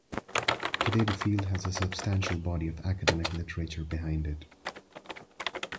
Today, the field has a substantial body of academic literature behind it.